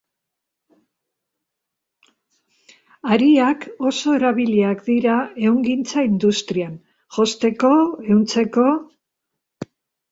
Hariak, oso erabiliak dira ehungintza industrian, josteko, ehuntzeko...